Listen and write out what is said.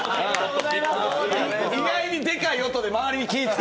意外にでかい音で周りに気を遣う。